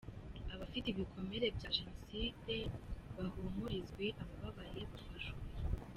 Abafite ibikomere bya Jenoside bahumurizwe, abababaye bafashwe.